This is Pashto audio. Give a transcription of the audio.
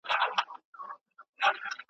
خپله خپله نصیبه ده